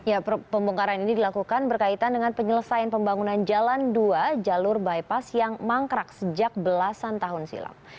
ya pembongkaran ini dilakukan berkaitan dengan penyelesaian pembangunan jalan dua jalur bypass yang mangkrak sejak belasan tahun silam